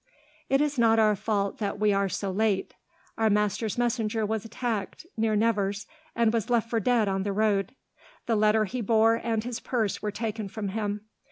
"It is not our fault that we are so late. Our master's messenger was attacked, near Nevers, and was left for dead on the road. The letter he bore, and his purse, were taken from him.